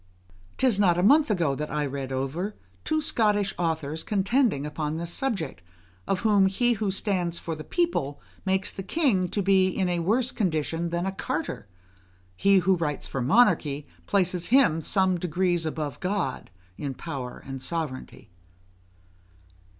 'Tis not above a month ago that I read over, two Scottish authors contending upon this subject, of whom he who stands for the people makes the king to be in a worse condition than a carter; he who writes for monarchy places him some degrees above God in power and sovereignty.